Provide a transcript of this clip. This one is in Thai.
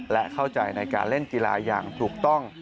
และเข้าใจในการเล่นกีฬาอย่างถูกต้อง